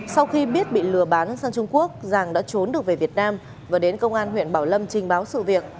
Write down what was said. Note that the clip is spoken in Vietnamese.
sau khi biết bị lừa bán sang trung quốc giàng đã trốn được về việt nam và đến công an huyện bảo lâm trình báo sự việc